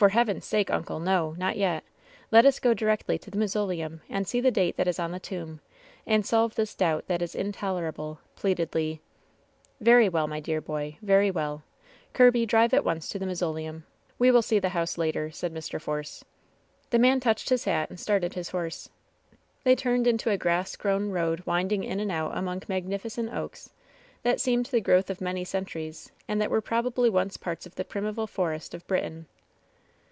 '* 'Tor Heaven's sake, uncle, no — ^not yet. Let us go directly to the mausoleum, and see the date that is on the tomb, and solve this doubt that is intolerable/' pleaded Le. '^ Very well, my dear boy ; very well. Kirby, drive at once to the mausoleum. We will see the house later," said Mr. Force. The man touched his hat and started his horse. They turned into a grass grown road winding in and out among magnificent oaks that seemed the growth of many centuries, and that were probably once parts of the primeval forest of Britain.